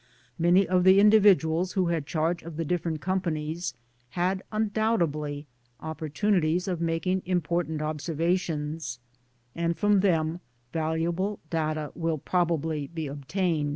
Many of the individuals who had charge of the different Companies, had undoubtedly opportunities of making im portant observations, and from them valuable data will probably be obtained.